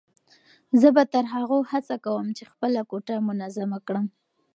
زه به تر هغو هڅه کوم چې خپله کوټه منظمه کړم.